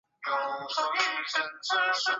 目前家族的掌舵人是其第四代。